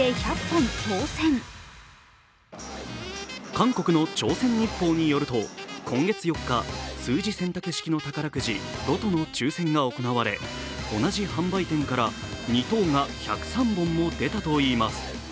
韓国の「朝鮮日報」によると今月８日、数字選択式の宝くじロトの抽選が行われ同じ販売店から２等が１０３本も出たといいます。